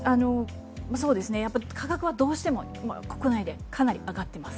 価格はどうしても国内でかなり上がっています。